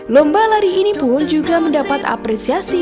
lomba lari ini pun juga mendapat apresiasi